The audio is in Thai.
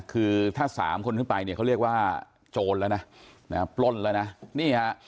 คือถ้าสามคนขึ้นไปเนี่ยเขาเรียกว่าโจรแล้วนะปล้นแล้วนะนี่ฮะ